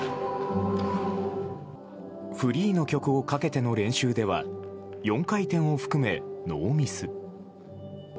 フリーの曲をかけての練習では４回転を含め、ノーミス。